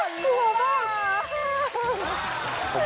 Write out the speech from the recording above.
ไปดูตลอดข่าวดีกว่าสาว